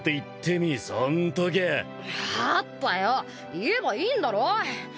言えばいいんだろ。